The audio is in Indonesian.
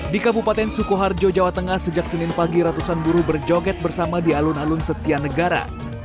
di kabupaten sukoharjo jawa tengah sejak senin pagi ratusan buruh berjoget bersama di alun alun setia negara